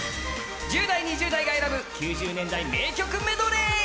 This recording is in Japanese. １０代２０代が選ぶ９０年代名曲メドレー。